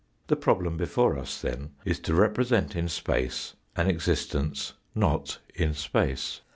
The problem before us, then, is to represent in space an existence not in space.